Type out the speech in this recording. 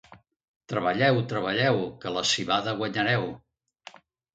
Treballeu, treballeu, que la civada guanyareu.